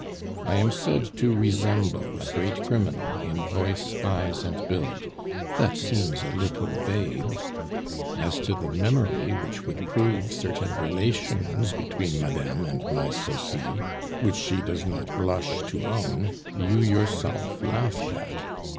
"I am said to resemble a great criminal in voice, eyes, and build; that seems a little vague. As to the memory which would prove certain relations between Madame and my Sosie which she does not blush to own you yourself laughed at.